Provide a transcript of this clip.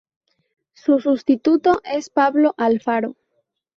Su sustituto es Pablo Alfaro.